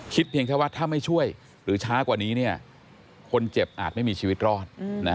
เพียงแค่ว่าถ้าไม่ช่วยหรือช้ากว่านี้คนเจ็บอาจไม่มีชีวิตรอด